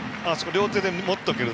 両手で持っておくと。